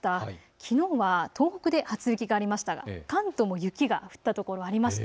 きのうは東北で初雪がありましたが、関東も雪が降ったところがありました。